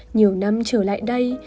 nhiều năm trở lại đây